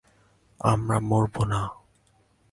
আমরা মরবো না।